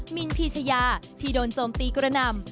มิ้นพรีชยาที่โดนโทมใต้กระดำ